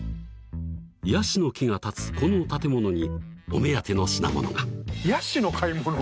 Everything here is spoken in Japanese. ヤシの木が立つこの建物にお目当ての品物がヤシ